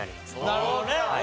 なるほどね。